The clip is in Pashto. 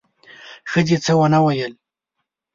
ښځې څه ونه ویل: